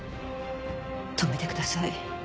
止めてください。